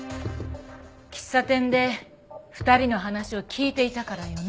喫茶店で２人の話を聞いていたからよね？